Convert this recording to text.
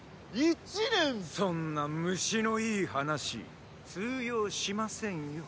そんな虫のいい話通用しませんよ。